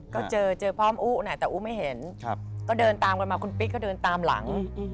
ก็เจอเจอพร้อมอุ๊เนี่ยแต่อุ๊ไม่เห็นก็เดินตามกันมาคุณปิ๊กก็เดินตามหลัง